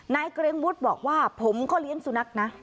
นายเกรียงวุฒิวันทองบอกว่าผมก็เลี้ยงสุนัขนะ